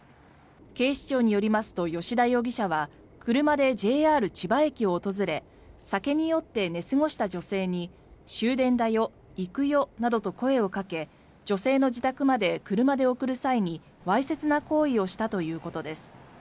警視庁によりますと吉田容疑者は車でＪＲ千葉駅を訪れ酒に酔って寝過ごした女性に終電だよ、行くよなどと声をかけ女性の自宅まで車で送る際にわいせつな行為をしたということです。